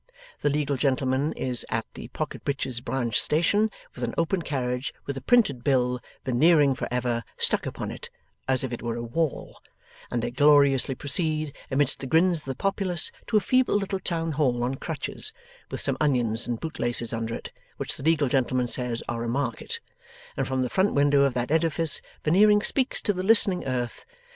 The legal gentleman is at the Pocket Breaches Branch Station, with an open carriage with a printed bill 'Veneering for ever' stuck upon it, as if it were a wall; and they gloriously proceed, amidst the grins of the populace, to a feeble little town hall on crutches, with some onions and bootlaces under it, which the legal gentleman says are a Market; and from the front window of that edifice Veneering speaks to the listening earth.